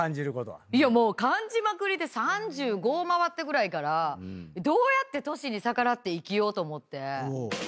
もう感じまくりで３５回ったぐらいからどうやって年に逆らって生きようと思って。